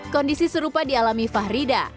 kondisi serupa dialami fahrida